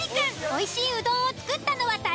おいしいうどんを作ったのは誰？